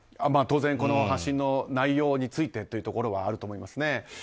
当然、発信の内容についてというところはあると思いますね。